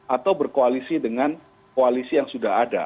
atau berkoalisi dengan koalisi yang sudah ada